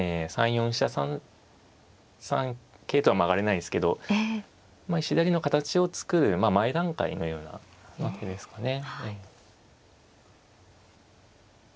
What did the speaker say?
３四飛車３三桂とは上がれないですけど左の形を作る前段階のような手ですかね。